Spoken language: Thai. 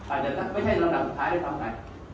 อาจจะไม่ใช่ลำดับสุดท้ายหรือสำหรับ